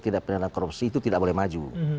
dengan korupsi itu tidak boleh maju